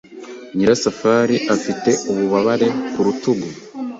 Nyirasafari afite ububabare ku rutugu.